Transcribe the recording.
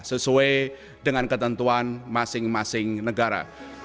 sesuai dengan ketentuan masing masing negara